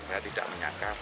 saya tidak menyakap